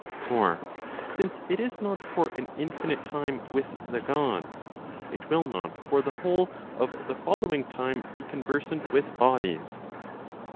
For since it is not for an infinite time with the Gods, it will not for the whole of the following time be conversant with bodies.